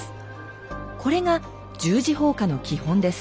これが十字砲火の基本です。